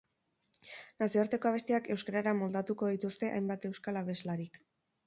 Nazioarteko abestiak euskarara moldatuko dituzte hainbat euskal abeslarik.